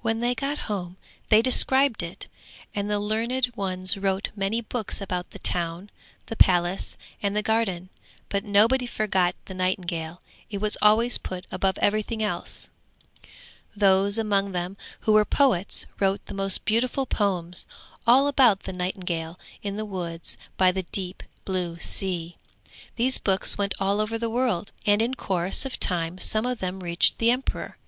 When they got home they described it, and the learned ones wrote many books about the town, the palace and the garden; but nobody forgot the nightingale, it was always put above everything else. Those among them who were poets wrote the most beautiful poems, all about the nightingale in the woods by the deep blue sea. These books went all over the world, and in course of time some of them reached the emperor.